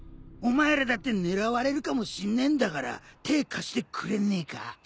お前らだって狙われるかもしんねえんだから手ぇ貸してくれねえか？